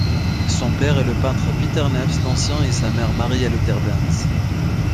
Son père est le peintre Pieter Neefs l'Ancien et sa mère Maria Louterbeens.